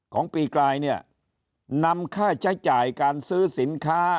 ของปีกลายเนี่ยนำค่าใช้จ่ายการซื้อสินค้า